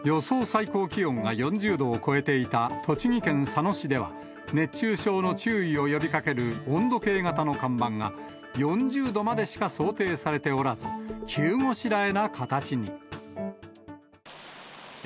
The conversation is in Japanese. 最高気温が４０度を超えていた栃木県佐野市では、熱中症の注意を呼びかける温度計型の看板が、４０度までしか想定されておらず、急ごしらえな形に。